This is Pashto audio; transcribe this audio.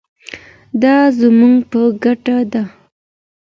دا زموږ په ګټه ده.